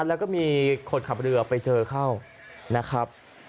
แล้วก็มีคนขับเรือไปเจอเข้านะครับ